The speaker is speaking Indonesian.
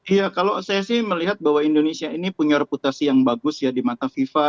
iya kalau saya sih melihat bahwa indonesia ini punya reputasi yang bagus ya di mata fifa